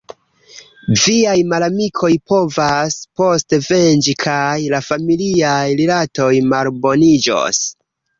Viaj malamikoj povas poste venĝi – kaj la familiaj rilatoj malboniĝos.